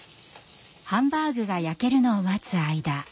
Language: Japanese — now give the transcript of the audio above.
ハンバーグが焼けるのを待つ間。